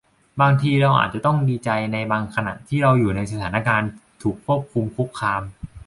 บางทีเราอาจจะต้องดีใจในบางขณะ ที่เราอยู่ในสถานะถูกควบคุมคุกคาม